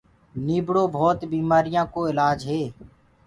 نيٚڀڙو ڀوت بيمآريآن ڪو اِلآج هي